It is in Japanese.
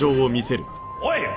おい！